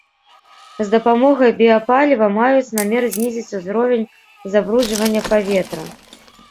З дапамогай біяпаліва маюць намер знізіць узровень забруджвання паветра.